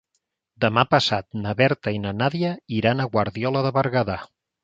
Demà passat na Berta i na Nàdia iran a Guardiola de Berguedà.